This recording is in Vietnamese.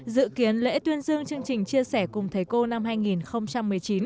dự kiến lễ tuyên dương chương trình chia sẻ cùng thầy cô năm hai nghìn một mươi chín